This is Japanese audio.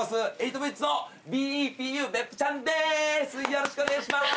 よろしくお願いします。